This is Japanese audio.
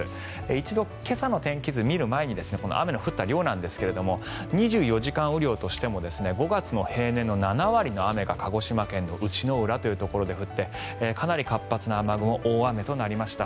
一度、今朝の天気図見る前に雨の降った量なんですが２４時間雨量としても５月の平年の７割の雨が鹿児島県の内之浦というところで降ってかなり活発な雨雲大雨となりました。